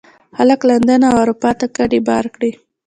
خلکو لندن او اروپا ته کډې بار کړې.